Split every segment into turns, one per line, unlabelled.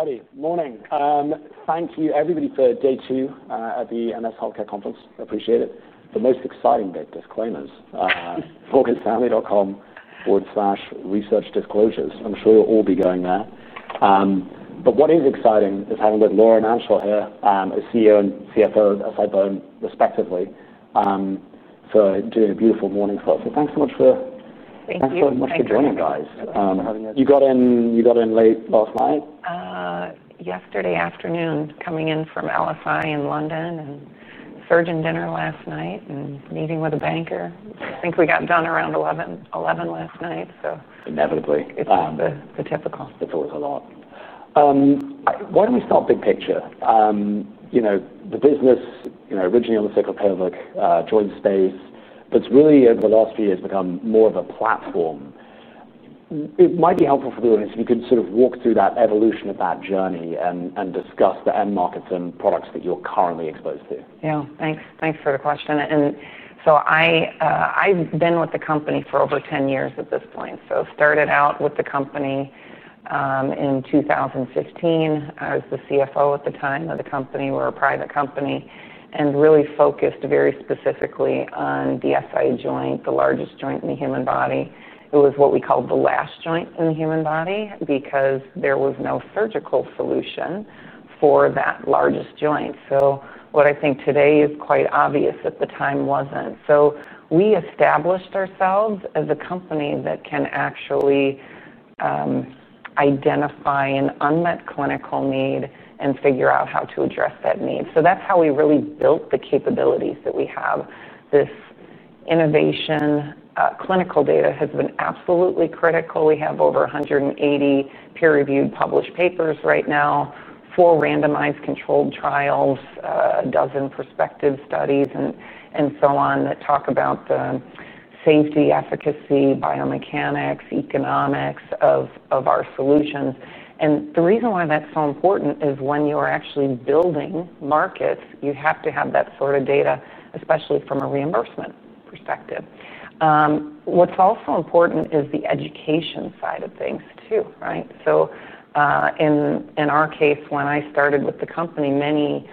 Alrighty, morning. Thank you everybody for day two at the MS Healthcare Conference. I appreciate it. The most exciting bit, disclaimers, focusfamily.com forward slash research disclosures. I'm sure you'll all be going there. What is exciting is having Laura and Anshul here, CEO and CFO at SI-BONE respectively. Doing a beautiful morning for us. Thanks so much for joining, guys. You got in late last night.
Yesterday afternoon, coming in from LSI in London and served in dinner last night and meeting with a banker. I think we got done around 11:00, 11:00 last night. Inevitably, it's typical.
It's always a lot. Why don't we start big picture? You know, the business, you know, originally on the circle of COVID, joined the space, but it's really, over the last few years, become more of a platform. It might be helpful for the audience if you could sort of walk through that evolution of that journey and discuss the end markets and products that you're currently exposed to.
Yeah, thanks for the question. I've been with the company for over 10 years at this point. I started out with the company in 2015. I was the CFO at the time of the company. We were a private company and really focused very specifically on the SI joint, the largest joint in the human body. It was what we called the last joint in the human body because there was no surgical solution for that largest joint. What I think today is quite obvious at the time wasn't. We established ourselves as a company that can actually identify an unmet clinical need and figure out how to address that need. That's how we really built the capabilities that we have. This innovation, clinical data has been absolutely critical. We have over 180 peer-reviewed published papers right now, four randomized controlled trials, a dozen prospective studies, and so on that talk about the safety, efficacy, biomechanics, economics of our solutions. The reason why that's so important is when you are actually building markets, you have to have that sort of data, especially from a reimbursement perspective. What's also important is the education side of things too, right? In our case, when I started with the company, many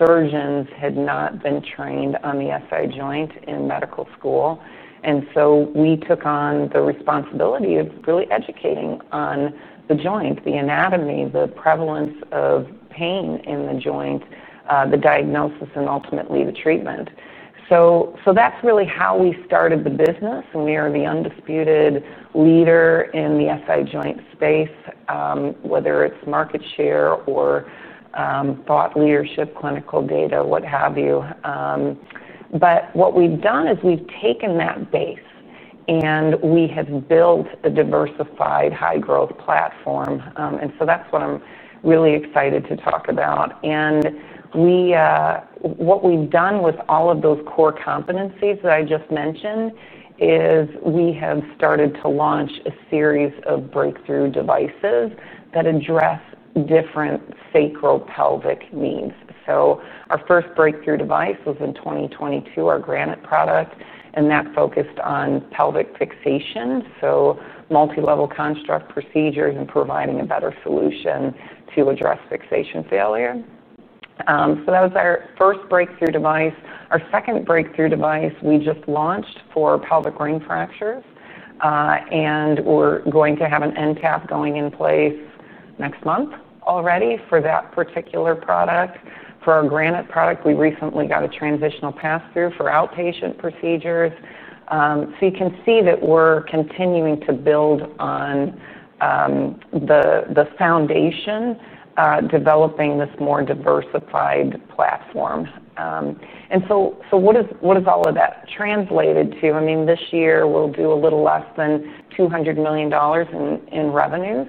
surgeons had not been trained on the SI joint in medical school. We took on the responsibility of really educating on the joint, the anatomy, the prevalence of pain in the joint, the diagnosis, and ultimately the treatment. That's really how we started the business. We are the undisputed leader in the SI joint space, whether it's market share, thought leadership, clinical data, what have you. What we've done is we've taken that base and we have built a diversified high-growth platform. That's what I'm really excited to talk about. What we've done with all of those core competencies that I just mentioned is we have started to launch a series of breakthrough devices that address different sacropelvic needs. Our first breakthrough device was in 2022, our iFuse Bedrock Granite product, and that focused on pelvic fixation. Multi-level construct procedures and providing a better solution to address fixation failure. That was our first breakthrough device. Our second breakthrough device we just launched for pelvic ring fractures, and we're going to have an NPAP going in place next month already for that particular product. For our iFuse Bedrock Granite product, we recently got a Transitional Pass-Through for outpatient procedures. You can see that we're continuing to build on the foundation, developing this more diversified platform. What does all of that translate to? I mean, this year we'll do a little less than $200 million in revenues,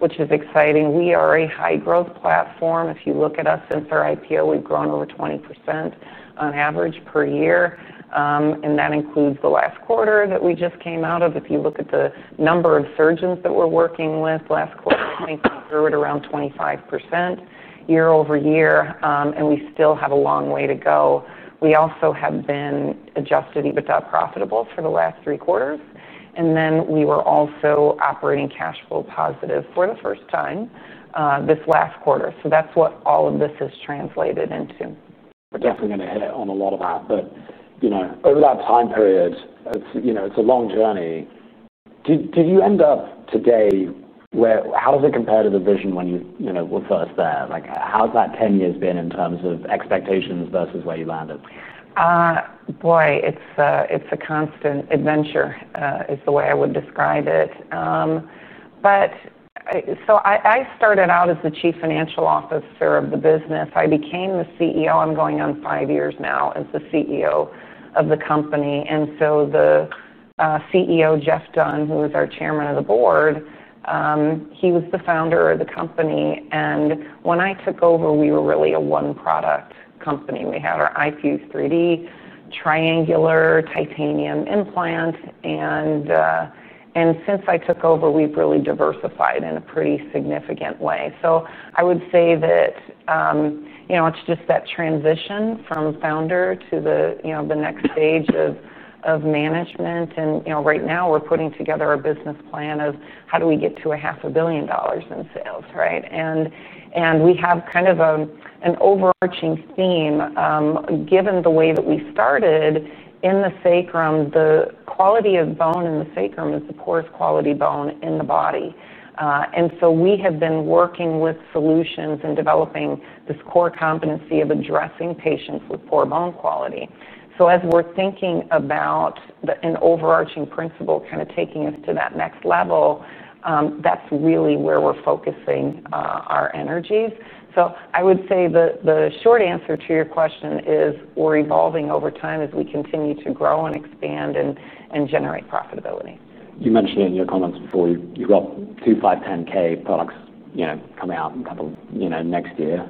which is exciting. We are a high-growth platform. If you look at us since our IPO, we've grown over 20% on average per year, and that includes the last quarter that we just came out of. If you look at the number of surgeons that we're working with last quarter, I think we're at around 25% year over year, and we still have a long way to go. We also have been adjusted EBITDA profitable for the last three quarters, and we were also operating cash flow positive for the first time this last quarter. That's what all of this has translated into.
We're definitely going to hit it on the lower side, but you know, over that time period, it's a long journey. Did you end up today where, how does it compare to the vision when you were first there? Like, how's that 10 years been in terms of expectations versus where you landed?
Boy, it's a constant adventure, is the way I would describe it. I started out as the Chief Financial Officer of the business. I became the CEO. I'm going on five years now as the CEO of the company. The CEO, Jeff Dunn, who was our Chairman of the Board, he was the founder of the company. When I took over, we were really a one-product company. We had our iFuse 3D triangular titanium implant. Since I took over, we've really diversified in a pretty significant way. I would say that it's just that transition from founder to the next stage of management. Right now we're putting together a business plan of how do we get to a half a billion dollars in sales, right? We have kind of an overarching theme, given the way that we started in the sacrum. The quality of bone in the sacrum is the poorest quality bone in the body, and we have been working with solutions and developing this core competency of addressing patients with poor bone quality. As we're thinking about an overarching principle, kind of taking us to that next level, that's really where we're focusing our energies. I would say the short answer to your question is we're evolving over time as we continue to grow and expand and generate profitability.
You mentioned in your comments before you've got two 510(k) products coming out and a couple next year.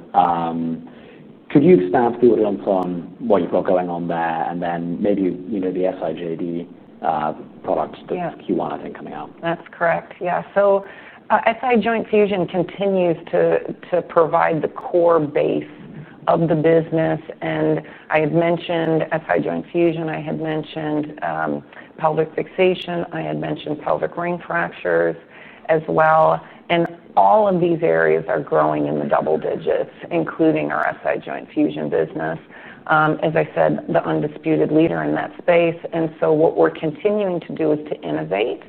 Could you expand to the audience on what you've got going on there and then maybe the SI joint dysfunction products? The FQ1, I think, coming out.
That's correct. Yeah. SI Joint Fusion continues to provide the core base of the business. I had mentioned SI Joint Fusion. I had mentioned pelvic fixation. I had mentioned pelvic ring fractures as well. All of these areas are growing in the double digits, including our SI Joint Fusion business. As I said, the undisputed leader in that space. What we're continuing to do is to innovate.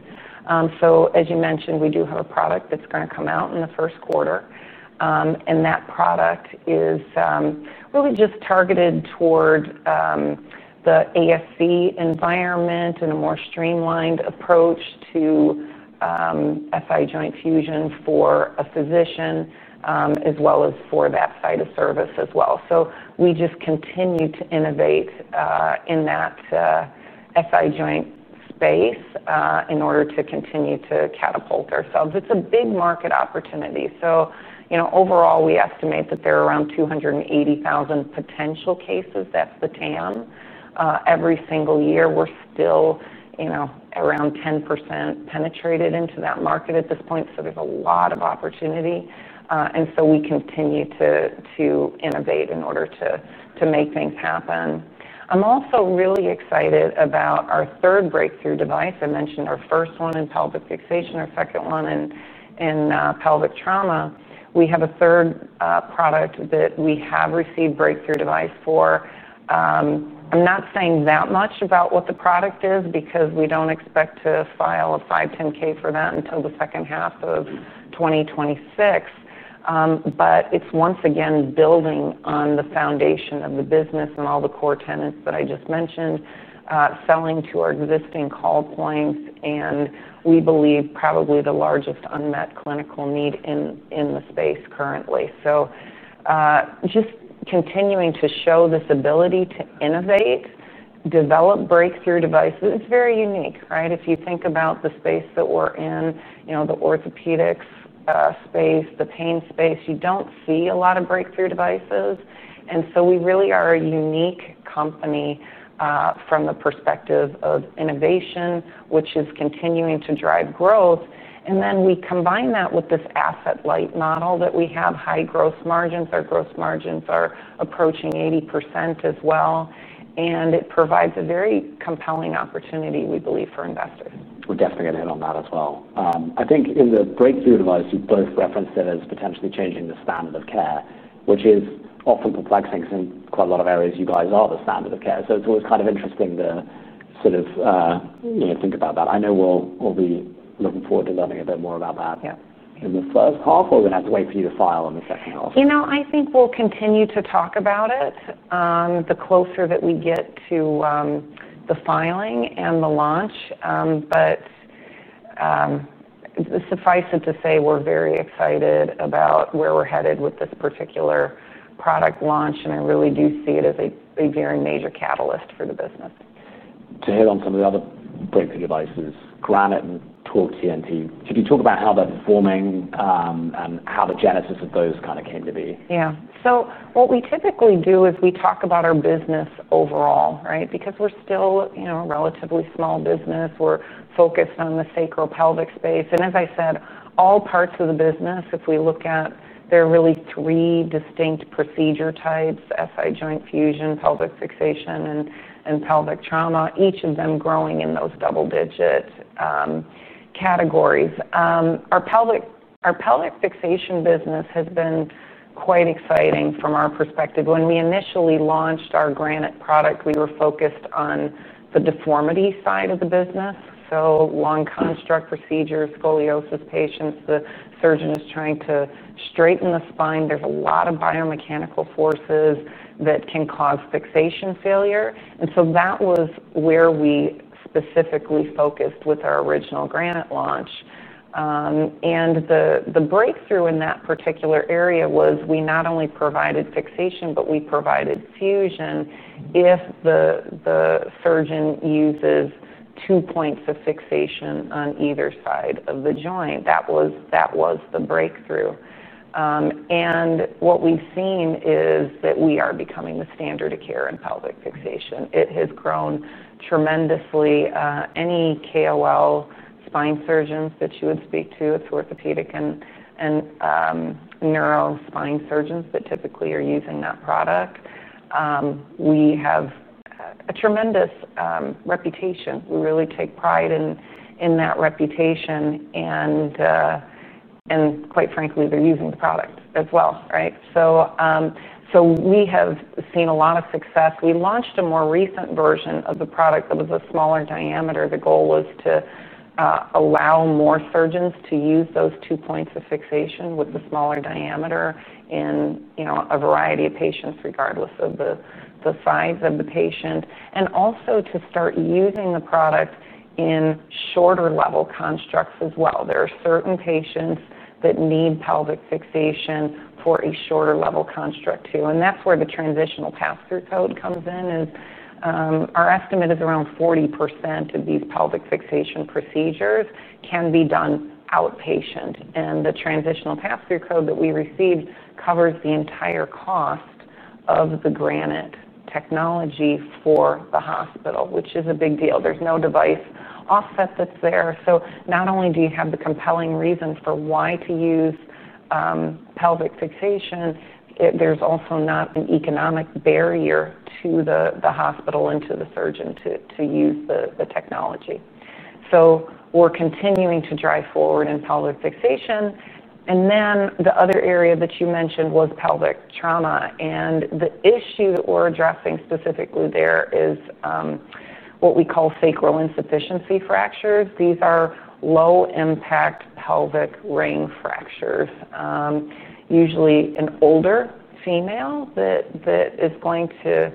As you mentioned, we do have a product that's going to come out in the first quarter. That product is really just targeted toward the ambulatory surgery center (ASC) environment and a more streamlined approach to SI Joint Fusion for a physician, as well as for that site of service as well. We just continue to innovate in that SI Joint space in order to continue to catapult ourselves. It's a big market opportunity. Overall, we estimate that there are around 280,000 potential cases. That's the TAM every single year. We're still around 10% penetrated into that market at this point. There's a lot of opportunity, and we continue to innovate in order to make things happen. I'm also really excited about our third breakthrough device. I mentioned our first one in pelvic fixation, our second one in pelvic trauma. We have a third product that we have received breakthrough device for. I'm not saying that much about what the product is because we don't expect to file a 510K for that until the second half of 2026. It's once again building on the foundation of the business and all the core tenets that I just mentioned, selling to our existing call points. We believe probably the largest unmet clinical need in the space currently. Just continuing to show this ability to innovate, develop breakthrough devices. It's very unique, right? If you think about the space that we're in, the orthopedics space, the pain space, you don't see a lot of breakthrough devices. We really are a unique company from the perspective of innovation, which is continuing to drive growth. We combine that with this asset-light model that we have. High gross margins. Our gross margins are approaching 80% as well. It provides a very compelling opportunity, we believe, for investors.
We're definitely going to hit on that as well. I think in the breakthrough device, you both referenced it as potentially changing the standard of care, which is often perplexing because in quite a lot of areas, you guys are the standard of care. It's always kind of interesting to sort of, you know, think about that. I know we'll be looking forward to learning a bit more about that. In the first half, or are we going to have to wait for you to file in the second half?
I think we'll continue to talk about it the closer that we get to the filing and the launch. It's surprising to say we're very excited about where we're headed with this particular product launch. I really do see it as a very major catalyst for the business.
To hit on some of the other breakthrough devices, iFuse Bedrock Granite and iFuse TORQ TNT, could you talk about how that's forming, and how the genesis of those kind of came to be?
Yeah. What we typically do is we talk about our business overall, right? Because we're still, you know, a relatively small business. We're focused on the sacropelvic space. As I said, all parts of the business, if we look at, there are really three distinct procedure types: SI joint fusion, pelvic fixation, and pelvic trauma, each of them growing in those double-digit categories. Our pelvic fixation business has been quite exciting from our perspective. When we initially launched our iFuse Bedrock Granite product, we were focused on the deformity side of the business. Long construct procedures, scoliosis patients, the surgeon is trying to straighten the spine. There's a lot of biomechanical forces that can cause fixation failure. That was where we specifically focused with our original iFuse Bedrock Granite launch. The breakthrough in that particular area was we not only provided fixation, but we provided fusion if the surgeon uses two points of fixation on either side of the joint. That was the breakthrough. What we've seen is that we are becoming the standard of care in pelvic fixation. It has grown tremendously. Any KOL spine surgeons that you would speak to, it's orthopedic and neuro spine surgeons that typically are using that product. We have a tremendous reputation. We really take pride in that reputation. Quite frankly, they're using the product as well, right? We have seen a lot of success. We launched a more recent version of the product that was a smaller diameter. The goal was to allow more surgeons to use those two points of fixation with the smaller diameter in, you know, a variety of patients, regardless of the size of the patient. Also to start using the product in shorter level constructs as well. There are certain patients that need pelvic fixation for a shorter level construct too. That is where the Transitional Pass-Through (TPT) code comes in. Our estimate is around 40% of these pelvic fixation procedures can be done outpatient. The Transitional Pass-Through (TPT) code that we received covers the entire cost of the iFuse Bedrock Granite technology for the hospital, which is a big deal. There's no device offset that's there. Not only do you have the compelling reason for why to use pelvic fixation, there's also not an economic barrier to the hospital and to the surgeon to use the technology. We're continuing to drive forward in pelvic fixation. The other area that you mentioned was pelvic trauma. The issue that we're addressing specifically there is what we call sacral insufficiency fractures. These are low-impact pelvic ring fractures. Usually, an older female is going to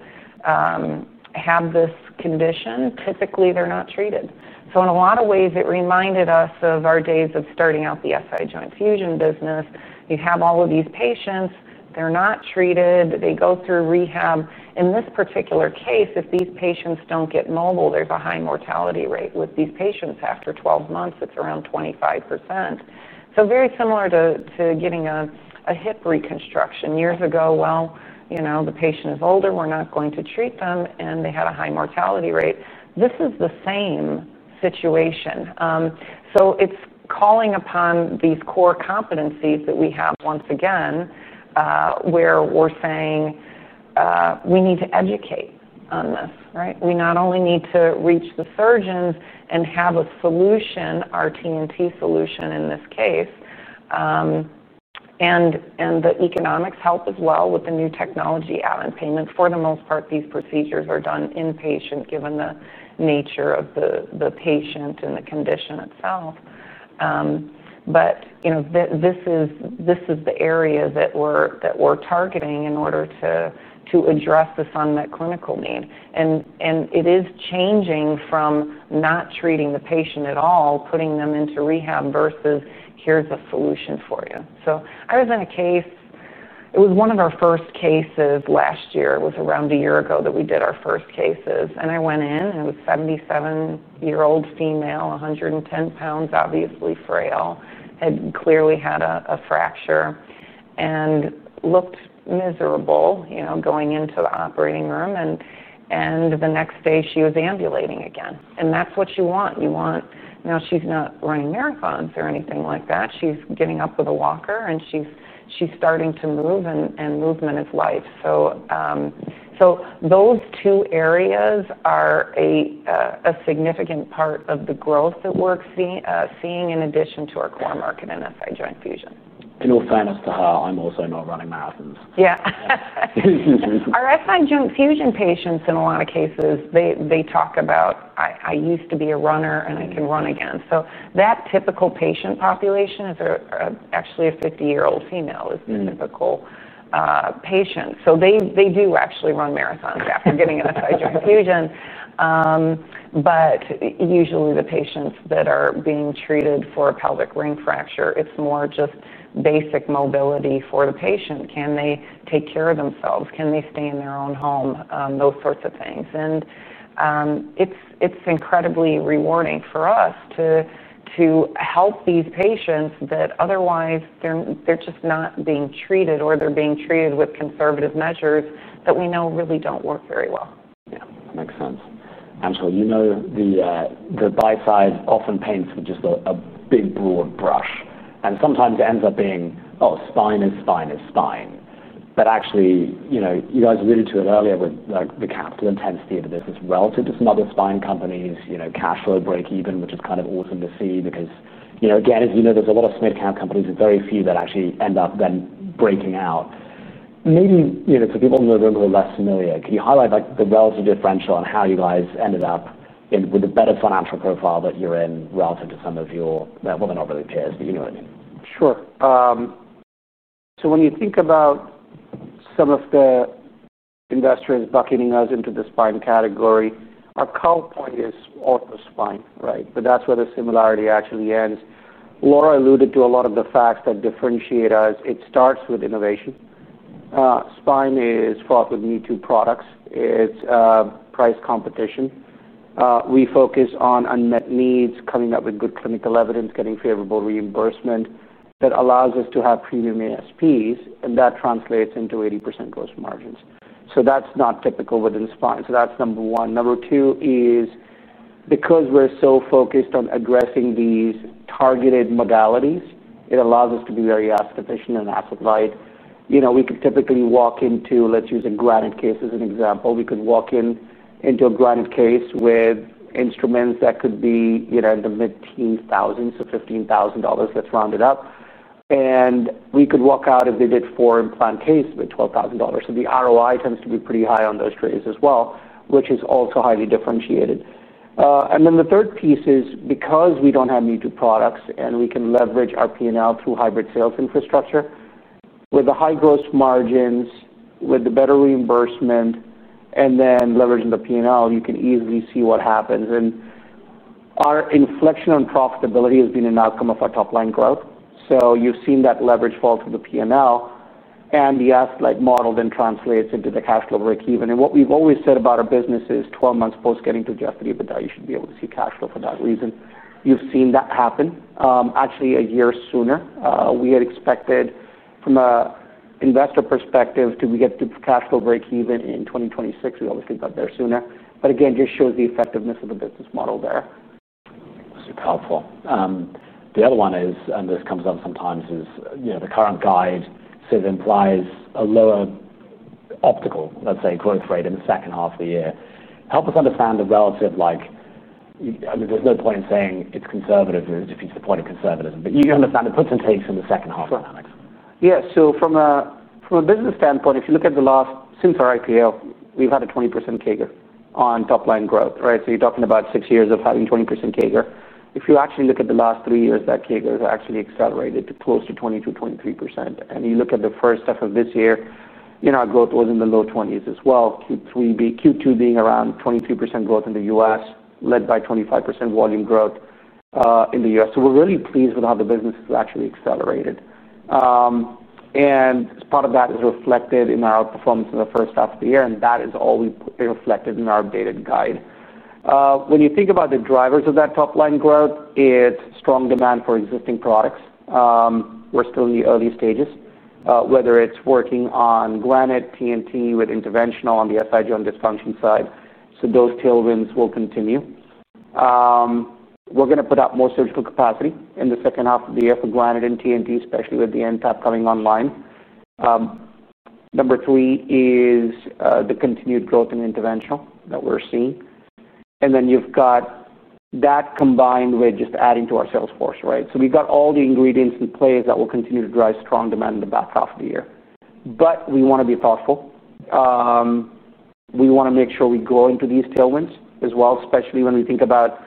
have this condition. Typically, they're not treated. In a lot of ways, it reminded us of our days of starting out the SI joint fusion business. You have all of these patients. They're not treated. They go through rehab. In this particular case, if these patients don't get mobile, there's a high mortality rate with these patients. After 12 months, it's around 25%. It is very similar to getting a hip reconstruction years ago. The patient is older, we're not going to treat them, and they had a high mortality rate. This is the same situation. It's calling upon these core competencies that we have once again, where we're saying, we need to educate on this, right? We not only need to reach the surgeons and have a solution, our TNT solution in this case, and the economics help as well with the new technology add-on payment. For the most part, these procedures are done inpatient given the nature of the patient and the condition itself. This is the area that we're targeting in order to address this unmet clinical need. It is changing from not treating the patient at all, putting them into rehab versus here's a solution for you. I was in a case, it was one of our first cases last year. It was around a year ago that we did our first cases. I went in, and it was a 77-year-old female, 110 pounds, obviously frail, had clearly had a fracture, and looked miserable going into the operating room. The next day, she was ambulating again. That's what you want. Now she's not running marathons or anything like that. She's getting up with a walker, and she's starting to move, and movement is life. Those two areas are a significant part of the growth that we're seeing in addition to our core market and SI joint fusion.
In all fairness to her, I'm also not running marathons.
Our SI joint fusion patients, in a lot of cases, talk about, "I used to be a runner, and I can run again." That typical patient population is actually a 50-year-old female is the typical patient. They do actually run marathons after getting an SI joint fusion. Usually, the patients that are being treated for a pelvic ring fracture, it's more just basic mobility for the patient. Can they take care of themselves? Can they stay in their own home? Those sorts of things. It's incredibly rewarding for us to help these patients that otherwise they're just not being treated or they're being treated with conservative measures that we know really don't work very well.
Yeah, makes sense. Anshul, you know the buy side often paints with just a big broad brush. Sometimes it ends up being, oh, spine is spine is spine. Actually, you guys alluded to it earlier with the capital intensity of the business relative to some other spine companies, cash flow break even, which is kind of awesome to see because, again, as you know, there's a lot of smidge cap companies. There's very few that actually end up then breaking out. Maybe, for people in the room who are less familiar, can you highlight the relative differential and how you guys ended up in with the better financial profile that you're in relative to some of your, well, they're not really peers, but you know what I mean.
Sure. So when you think about some of the investors bucketing us into the spine category, our code point is ultraspine, right? That's where the similarity actually ends. Laura alluded to a lot of the facts that differentiate us. It starts with innovation. Spine is fraught with me too products. It's price competition. We focus on unmet needs, coming up with good clinical evidence, getting favorable reimbursement that allows us to have premium ASPs, and that translates into 80% gross margins. That's not typical within spine. That's number one. Number two is because we're so focused on addressing these targeted modalities, it allows us to be very asset efficient and asset light. You know, we could typically walk into, let's use a Granite case as an example. We could walk into a Granite case with instruments that could be, you know, in the mid-teens thousands, so $15,000. Let's round it up. We could walk out if they did four implant cases with $12,000. The ROI tends to be pretty high on those trades as well, which is also highly differentiated. The third piece is because we don't have new products and we can leverage our P&L through hybrid sales infrastructure with the high gross margins, with the better reimbursement, and then leveraging the P&L, you can easily see what happens. Our inflection on profitability has been an outcome of our top line growth. You've seen that leverage fall through the P&L, and the asset light model then translates into the cash flow break even. What we've always said about our business is 12 months post getting to Jeffrey, but now you should be able to see cash flow for that reason. You've seen that happen, actually, a year sooner. We had expected from an investor perspective to get to cash flow break even in 2026. We always think that they're sooner. It just shows the effectiveness of the business model there.
Super helpful. The other one is, and this comes up sometimes, is, you know, the current guide sort of implies a lower optical, let's say, growth rate in the second half of the year. Help us understand the relative, like, I mean, there's no point in saying it's conservative if you support a conservatism, but you can understand the puts and takes in the second half of the market.
Yeah. From a business standpoint, if you look at the last, since our IPO, we've had a 20% CAGR on top line growth, right? You're talking about six years of having 20% CAGR. If you actually look at the last three years, that CAGR has actually accelerated to close to 22, 23%. You look at the first half of this year, our growth was in the low 20s as well, Q2 being around 23% growth in the U.S., led by 25% volume growth in the U.S. We're really pleased with how the business has actually accelerated, and part of that is reflected in our performance in the first half of the year, and that is all reflected in our updated guide. When you think about the drivers of that top line growth, it's strong demand for existing products. We're still in the early stages, whether it's working on iFuse Bedrock Granite, iFuse TORQ TNT with interventional on the SI joint dysfunction side. Those tailwinds will continue. We're going to put up more surgical capacity in the second half of the year for iFuse Bedrock Granite and iFuse TORQ TNT, especially with the NPAP coming online. Number three is the continued growth in the interventional that we're seeing. Then you've got that combined with just adding to our sales force, right? We've got all the ingredients in place that will continue to drive strong demand in the back half of the year. We want to be thoughtful. We want to make sure we go into these tailwinds as well, especially when we think about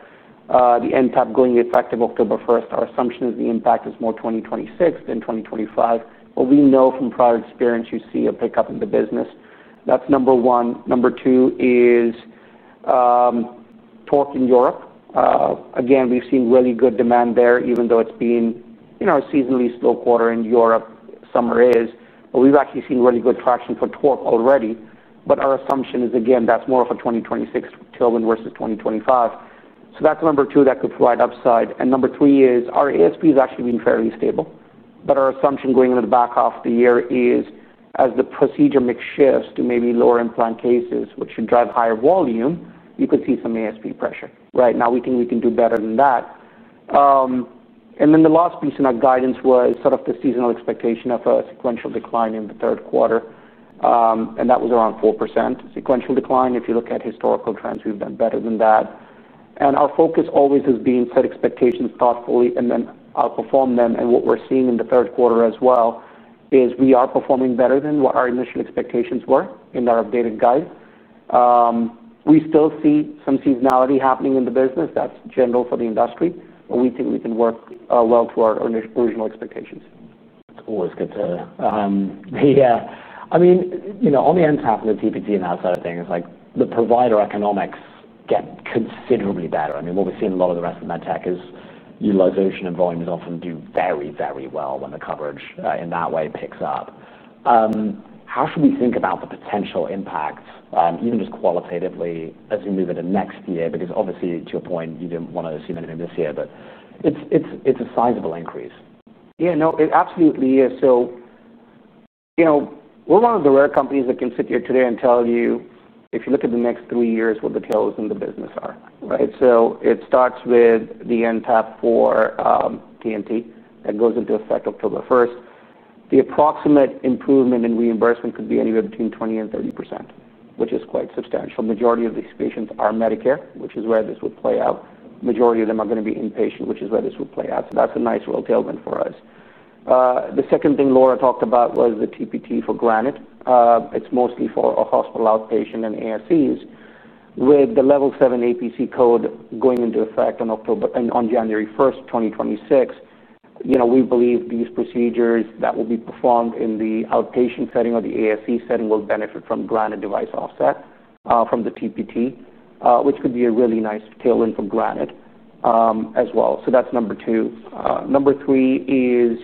the NPAP going effective October 1. Our assumption is the impact is more 2026 than 2025, but we know from prior experience, you see a pickup in the business. That's number one. Number two is iFuse TORQ in Europe. We've seen really good demand there, even though it's been a seasonally slow quarter in Europe, summer is. We've actually seen really good traction for iFuse TORQ already, but our assumption is, again, that's more of a 2026 tailwind versus 2025. That's number two that could provide upside. Number three is our ASP has actually been fairly stable, but our assumption going into the back half of the year is as the procedure mix shifts to maybe lower implant cases, which should drive higher volume, you could see some ASP pressure, right? We think we can do better than that. The last piece in our guidance was sort of the seasonal expectation of a sequential decline in the third quarter, and that was around 4% sequential decline. If you look at historical trends, we've done better than that. Our focus always has been to set expectations thoughtfully and then outperform them. What we're seeing in the third quarter as well is we are performing better than what our initial expectations were in our updated guide. We still see some seasonality happening in the business. That's general for the industry, but we think we can work well to our original expectations.
It's always good to, yeah. I mean, on the end half of the TPT and outside of things, the provider economics get considerably better. I mean, what we've seen a lot of the rest of the med tech is utilization and volume often do very, very well when the coverage in that way picks up. How should we think about the potential impact, even just qualitatively as we move into next year? Because obviously, to your point, you didn't want to assume anything this year, but it's a sizable increase.
Yeah, no, it absolutely is. We're one of the rare companies that can sit here today and tell you, if you look at the next three years, what the tails in the business are, right? It starts with the NPAP for iFuse TORQ TNT that goes into effect October 1. The approximate improvement in reimbursement could be anywhere between 20% and 30%, which is quite substantial. The majority of these patients are Medicare, which is where this would play out. The majority of them are going to be inpatient, which is where this would play out. That's a nice real tailwind for us. The second thing Laura talked about was the TPT for iFuse Bedrock Granite. It's mostly for a hospital outpatient and ambulatory surgery centers (ASCs). With the Level 7 APC code going into effect on January 1, 2026, we believe these procedures that will be performed in the outpatient setting or the ASC setting will benefit from Granite device offset, from the TPT, which could be a really nice tailwind for Granite as well. That's number two. Number three is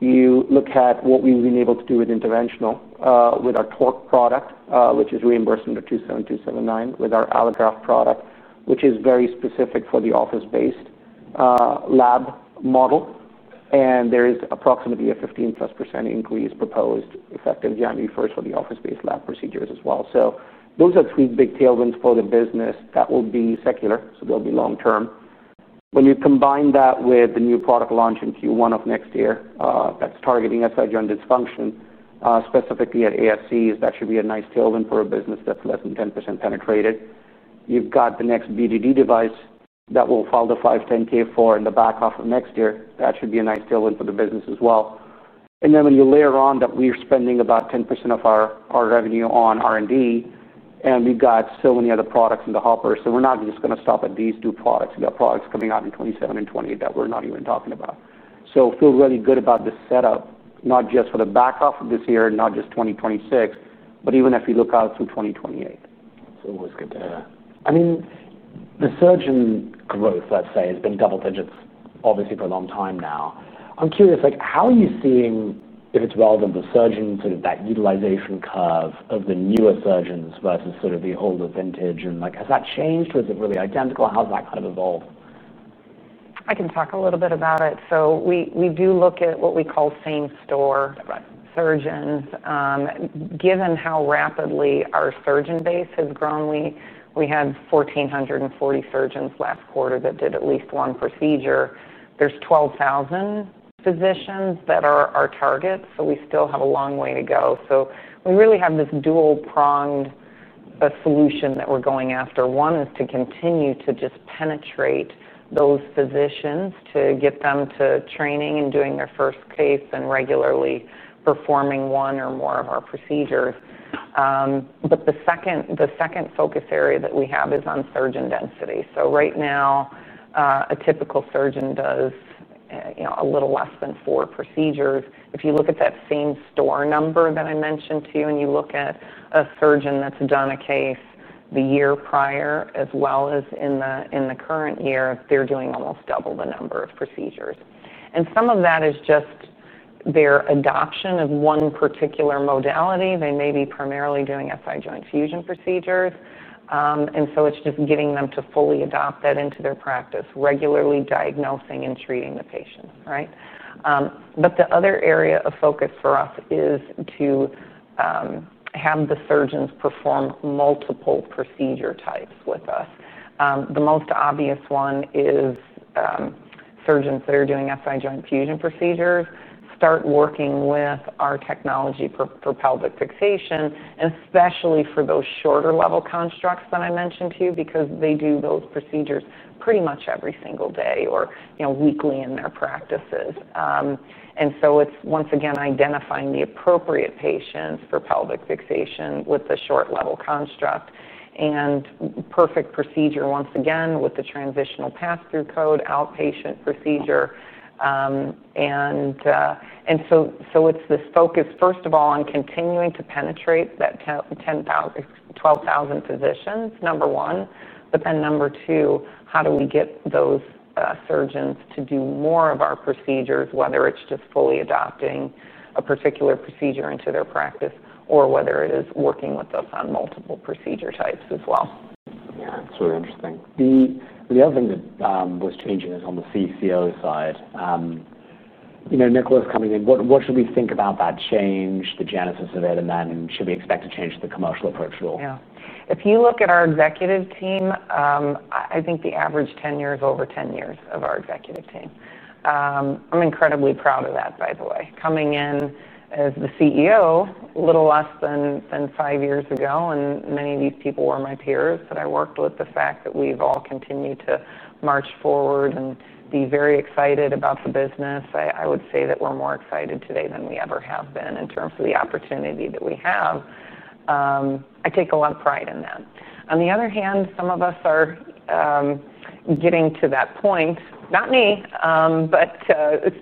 you look at what we've been able to do with interventional, with our iFuse TORQ product, which is reimbursed under 27279, with our allograft product, which is very specific for the office-based lab model. There is approximately a 15% plus increase proposed effective January 1 for the office-based lab procedures as well. Those are three big tailwinds for the business that will be secular. They'll be long-term. When you combine that with the new product launch in Q1 of next year, that's targeting sacroiliac (SI) joint dysfunction, specifically at ASCs, that should be a nice tailwind for a business that's less than 10% penetrated. You've got the next BDD device that we'll file the 510K for in the back half of next year. That should be a nice tailwind for the business as well. When you layer on that, we're spending about 10% of our revenue on R&D, and we've got so many other products in the hopper. We're not just going to stop at these two products. We've got products coming out in 2027 and 2028 that we're not even talking about. It feels really good about the setup, not just for the back half of this year and not just 2026, but even if you look out through 2028.
It's always good to hear. The surgeon growth has been double digits, obviously, for a long time now. I'm curious, how are you seeing, if it's relevant, the surgeon utilization curve of the newer surgeons versus the older vintage? Has that changed or is it really identical? How's that evolved?
I can talk a little bit about it. We do look at what we call same-store surgeons. Given how rapidly our surgeon base has grown, we had 1,440 surgeons last quarter that did at least one procedure. There are 12,000 physicians that are our target, so we still have a long way to go. We really have this dual-pronged solution that we're going after. One is to continue to just penetrate those physicians, to get them to training and doing their first case and regularly performing one or more of our procedures. The second focus area that we have is on surgeon density. Right now, a typical surgeon does a little less than four procedures. If you look at that same-store number that I mentioned to you and you look at a surgeon that's done a case the year prior as well as in the current year, they're doing almost double the number of procedures. Some of that is just their adoption of one particular modality. They may be primarily doing SI joint fusion procedures, and so it's just getting them to fully adopt that into their practice, regularly diagnosing and treating the patient, right? The other area of focus for us is to have the surgeons perform multiple procedure types with us. The most obvious one is surgeons that are doing SI joint fusion procedures start working with our technology for pelvic fixation, especially for those shorter level constructs that I mentioned to you because they do those procedures pretty much every single day or weekly in their practices. It's once again identifying the appropriate patients for pelvic fixation with the short level construct and perfect procedure, once again, with the transitional pass-through code, outpatient procedure. It's this focus, first of all, on continuing to penetrate that 10,000, 12,000 physicians, number one. Number two, how do we get those surgeons to do more of our procedures, whether it's just fully adopting a particular procedure into their practice or whether it is working with us on multiple procedure types as well.
Yeah, it's really interesting. The other thing that was changing is on the CCO side. You know, Nicholas coming in, what should we think about that change, the genesis of it, and then should we expect a change to the commercial approach at all?
Yeah. If you look at our executive team, I think the average tenure is over 10 years for our executive team. I'm incredibly proud of that, by the way. Coming in as the CEO a little less than five years ago, and many of these people were my peers that I worked with, the fact that we've all continued to march forward and be very excited about the business. I would say that we're more excited today than we ever have been in terms of the opportunity that we have. I take a lot of pride in that. On the other hand, some of us are getting to that point. Not me, but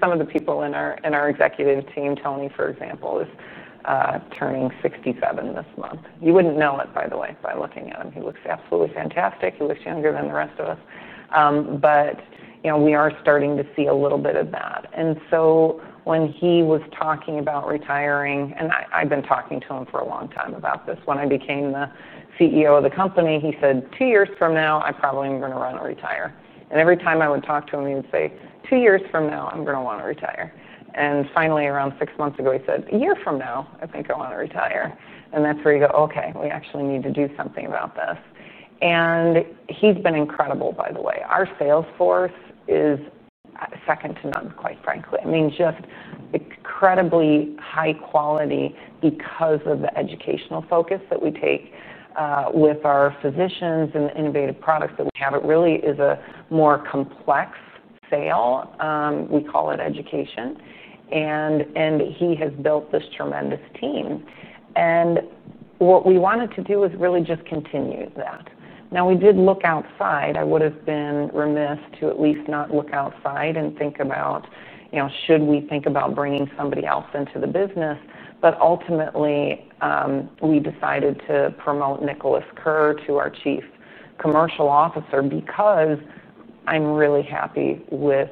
some of the people in our executive team, Tony, for example, is turning 67 this month. You wouldn't know it, by the way, by looking at him. He looks absolutely fantastic. He looks younger than the rest of us, but we are starting to see a little bit of that. When he was talking about retiring, and I've been talking to him for a long time about this, when I became the CEO of the company, he said, "Two years from now, I probably am going to want to retire." Every time I would talk to him, he would say, "Two years from now, I'm going to want to retire." Finally, around six months ago, he said, "A year from now, I think I want to retire." That's where you go, "Okay, we actually need to do something about this." He's been incredible, by the way. Our sales force is second to none, quite frankly. I mean, just incredibly high quality because of the educational focus that we take with our physicians and the innovative products that we have. It really is a more complex sale. We call it education, and he has built this tremendous team. What we wanted to do is really just continue that. We did look outside. I would have been remiss to at least not look outside and think about, you know, should we think about bringing somebody else into the business? Ultimately, we decided to promote Nicholas Kerr to our Chief Commercial Officer because I'm really happy with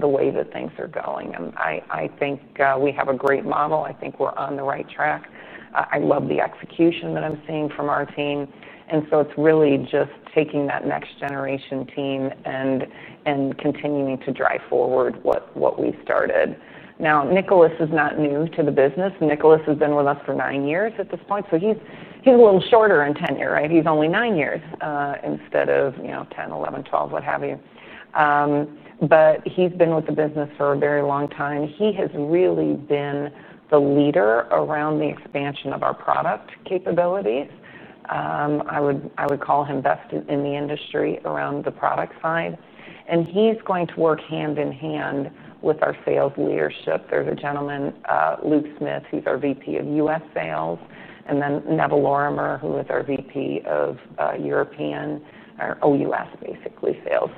the way that things are going. I think we have a great model. I think we're on the right track. I love the execution that I'm seeing from our team. It's really just taking that next generation team and continuing to drive forward what we've started. Nicholas is not new to the business. Nicholas has been with us for nine years at this point. He's a little shorter in tenure, right? He's only nine years, instead of, you know, 10, 11, 12, what have you. He's been with the business for a very long time. He has really been the leader around the expansion of our product capabilities. I would call him best in the industry around the product side. He's going to work hand in hand with our sales leadership. There's a gentleman, Luke Smith. He's our VP of U.S. Sales. Then Neville Lorimer, who is our VP of European, or OUS, basically, Sales.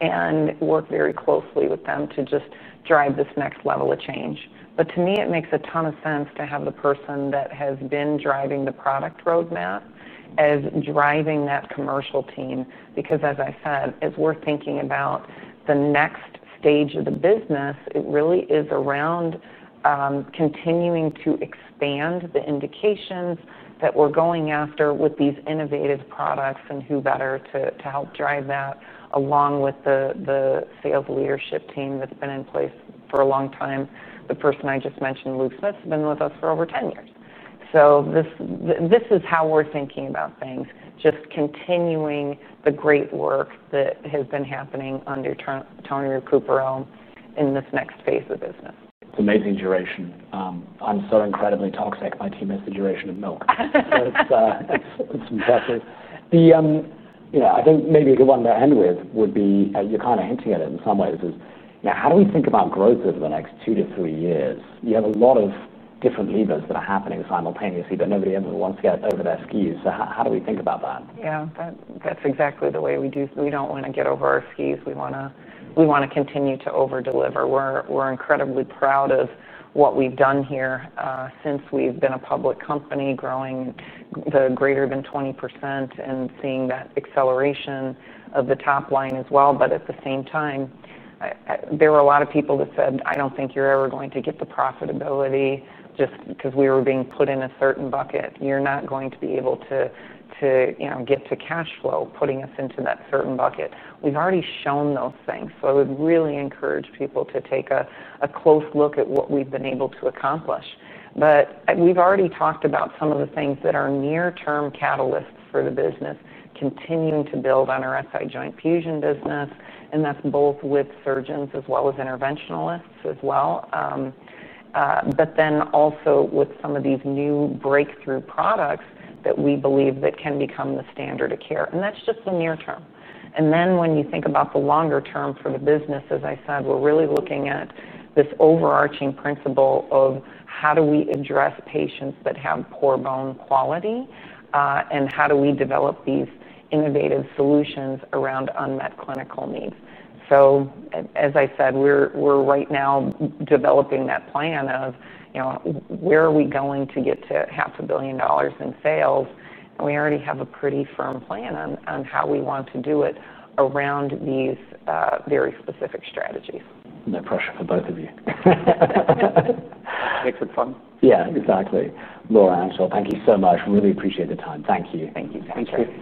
They work very closely with them to just drive this next level of change. To me, it makes a ton of sense to have the person that has been driving the product roadmap as driving that commercial team. As I said, as we're thinking about the next stage of the business, it really is around continuing to expand the indications that we're going after with these innovative products and who better to help drive that along with the sales leadership team that's been in place for a long time. The person I just mentioned, Luke Smith, has been with us for over 10 years. This is how we're thinking about things, just continuing the great work that has been happening under Tony Roucoupe-Arelle in this next phase of the business.
It's amazing duration. I'm so incredibly toxic. My team is the duration of milk. It's impressive. I think maybe the one to end with would be, you're kind of hinting at it in some ways, is, you know, how do we think about growth over the next two to three years? You have a lot of different levers that are happening simultaneously, but nobody ever wants to get over their skis. How do we think about that?
Yeah, that's exactly the way we do. We don't want to get over our skis. We want to continue to over-deliver. We're incredibly proud of what we've done here, since we've been a public company, growing the greater than 20% and seeing that acceleration of the top line as well. At the same time, there were a lot of people that said, "I don't think you're ever going to get to profitability just because we were being put in a certain bucket. You're not going to be able to, you know, get to cash flow putting us into that certain bucket." We've already shown those things. I would really encourage people to take a close look at what we've been able to accomplish. We've already talked about some of the things that are near-term catalysts for the business, continuing to build on our SI joint fusion business. That's both with surgeons as well as interventionalists as well, but then also with some of these new breakthrough products that we believe can become the standard of care. That's just the near term. When you think about the longer term for the business, as I said, we're really looking at this overarching principle of how do we address patients that have poor bone quality, and how do we develop these innovative solutions around unmet clinical needs. As I said, we're right now developing that plan of, you know, where are we going to get to half a billion dollars in sales? We already have a pretty firm plan on how we want to do it around these very specific strategies.
No pressure for both of you.
Makes it fun.
Yeah, exactly. Laura, Anshul, thank you so much. We really appreciate the time. Thank you.
Thank you.
Thank you.